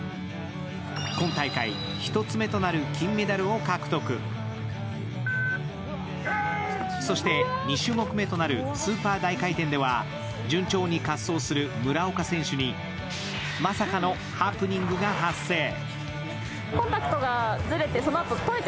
今大会１つ目となる金メダルを獲得そして２種目めとなるスーパー大回転では順調に滑走する村岡選手にまさかのハプニングが発生。